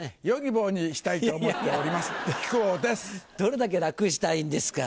どれだけ楽したいんですか。